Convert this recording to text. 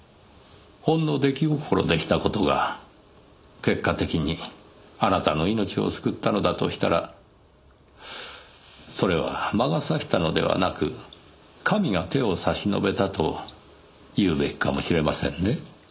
ほんの出来心でした事が結果的にあなたの命を救ったのだとしたらそれは魔が差したのではなく神が手を差し伸べたと言うべきかもしれませんね。